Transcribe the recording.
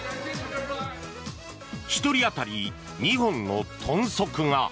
１人当たり２本の豚足が。